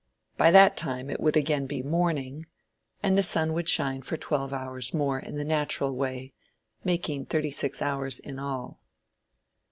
By that time it would again be morning, and the sun would shine for twelve hours more in the natural way, making thirty six hours in all.